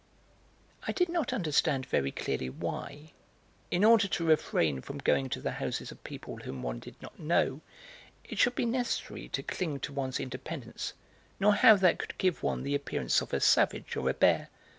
I did not understand very clearly why, in order to refrain from going to the houses of people whom one did not know, it should be necessary to cling to one's independence, nor how that could give one the appearance of a savage or a bear.